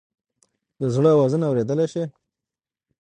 د زړه آوازونه اوریدلئ شې؟